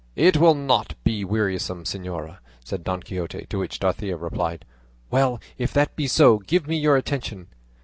"It will not be wearisome, señora," said Don Quixote; to which Dorothea replied, "Well, if that be so, give me your attention."